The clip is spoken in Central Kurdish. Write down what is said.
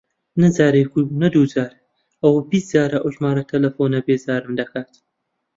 نە جارێک و نە دوو جار، ئەوە بیست جارە ئەو ژمارە تەلەفۆنە بێزارم دەکات.